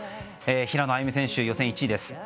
平野歩夢選手、予選１位です。